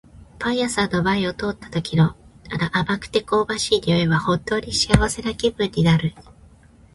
パン屋さんの前を通った時の、あの甘くて香ばしい匂いは本当に幸せな気分になる。